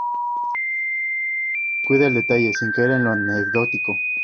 Cuida el detalle sin caer en lo anecdótico.